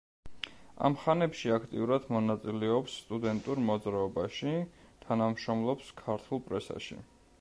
ამ ხანებში აქტიურად მონაწილეობს სტუდენტურ მოძრაობაში, თანამშრომლობს ქართულ პრესაში.